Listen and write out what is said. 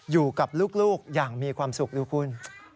อยู่กับลูกอย่างมีความสุขดูคุณ